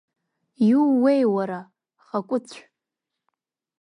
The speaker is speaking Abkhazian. Иууеи уара, Хакәыцә?!